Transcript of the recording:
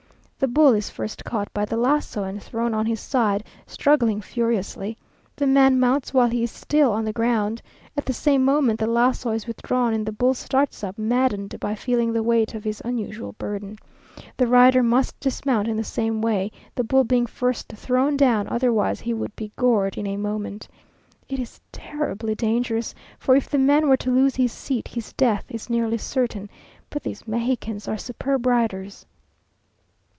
The bull is first caught by the laso, and thrown on his side, struggling furiously. The man mounts while he is still on the ground. At the same moment the laso is withdrawn, and the bull starts up, maddened by feeling the weight of his unusual burden. The rider must dismount in the same way, the bull being first thrown down, otherwise he would be gored in a moment. It is terribly dangerous, for if the man were to lose his seat, his death is nearly certain; but these Mexicans are superb riders.